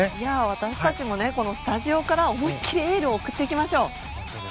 私たちもこのスタジオから思いっきりエールを送っていきましょう。